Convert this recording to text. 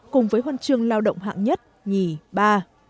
cùng với huấn trương lao động hạng nhất nhì ba